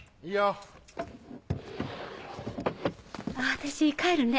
私帰るね。